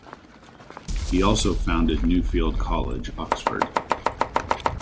He also founded Nuffield College, Oxford.